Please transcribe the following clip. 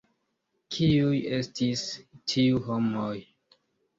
Kiuj estis tiu homoj?